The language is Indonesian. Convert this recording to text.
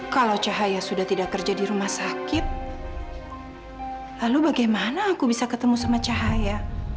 kalau cahaya sudah tidak kerja di rumah sakit lalu bagaimana aku bisa ketemu sama cahaya